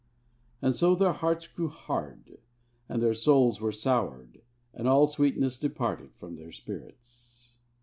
And so their hearts grew hard, and their souls were soured, and all sweetness departed from their spirits.